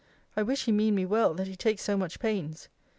I wish he mean me well, that he takes so much pains!